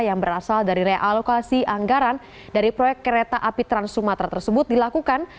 yang berasal dari realokasi anggaran dari proyek kereta api trans sumatera tersebut dilakukan